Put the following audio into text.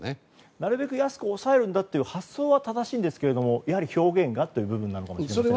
なるべく安く抑えるんだという発想は正しいんですが表現がという部分かもしれないですね。